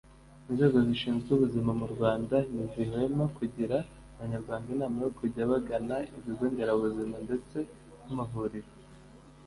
inzego zishinzwe ubuzima mu Rwanda ntizihwema kugira abanyarwanda inama yo kujya bagana ibigo nderabuzima ndetse n’amavuriro